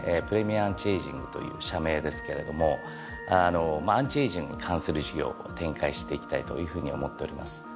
プレミアアンチエイジングという社名ですけれどもまあアンチエイジングに関する事業を展開していきたいというふうに思っております。